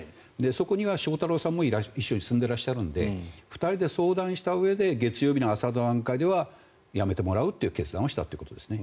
そこには翔太郎さんも一緒に住んでいるので２人で相談したうえで月曜日の朝の段階では辞めてもらうという決断をしたということですね。